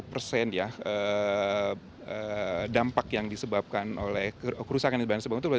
enam puluh persen dampak yang disebabkan oleh kerusakan yang dibanasi